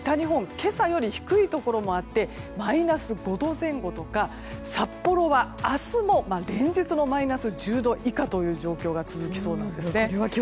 今朝より低いところもあってマイナス５度前後とか札幌は明日も連日のマイナス１０度以下という状況が続きそうなんです。